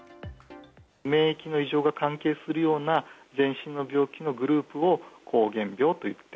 免疫の異常が関係するような全身の病気のグループを膠原病といって。